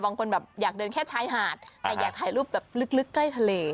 บางคนแบบอยากเดินแค่ชายหาดแต่อยากถ่ายรูปแบบลึกใกล้ทะเล